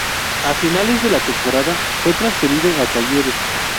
A finales de la temporada fue transferido a Talleres.